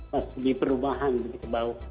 masih di perubahan begitu